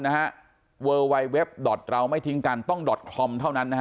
นะฮะเวอร์ไวเว็บดอตเราไม่ทิ้งกันต้องดอตคอมเท่านั้นนะฮะ